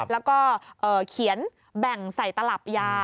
แล้วก็เขียนแบ่งใส่ตลับยา